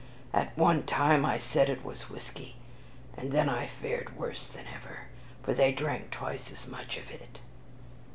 At one time I said it was whisky, and then I fared worse than ever, for they drank twice as much of it."